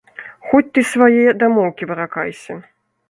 Хоць ты свае дамоўкі выракайся.